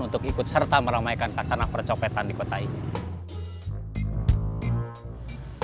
untuk ikut serta meramaikan kasanah percopetan di kota ini